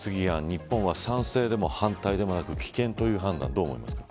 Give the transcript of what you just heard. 日本は賛成でも反対でもなく棄権という判断どう思いますか。